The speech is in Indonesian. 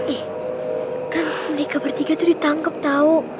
eh kan mereka bertiga tuh ditangkep tau